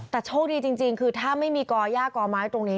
แต่โชคดีจริงคือถ้าไม่มีก่อย่ากอไม้ตรงนี้